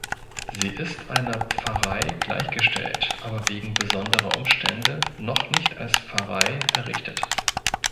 Sie ist einer Pfarrei gleichgestellt, aber wegen besonderer Umstände noch nicht als Pfarrei errichtet.